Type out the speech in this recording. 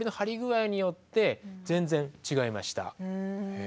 へえ。